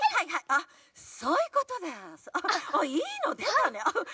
あっいいのでたね。